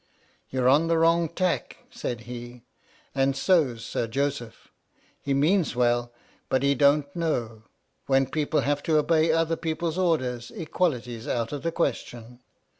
"You're on the wrong tack," said he, "and so's Sir Joseph. He means well, but he don't know. When people have to obey other people's orders, equality's out of the question."